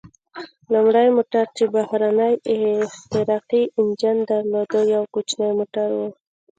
لومړی موټر چې بهرنی احتراقي انجن درلود، یو کوچنی موټر و.